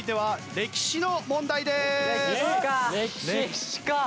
歴史か。